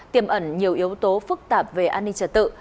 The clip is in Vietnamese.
tiềm ẩn nhiều yếu tố phức tạp về an ninh trật tự